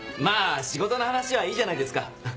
まぁ仕事の話はいいじゃないですか。